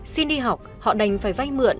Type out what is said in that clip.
xin đi học họ đành phải vay mượn